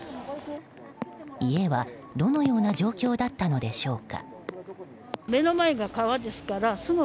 家はどのような状況だったのでしょうか。